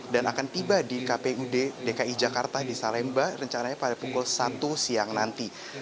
dan akan tiba di kpud dki jakarta di salemba rencananya pada pukul satu siang nanti